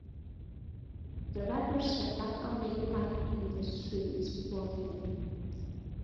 The rappers reflect on their life in the streets before fame.